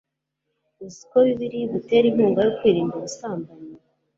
uzi ko bibiliya igutera inkunga yo kwirinda ubusambanyi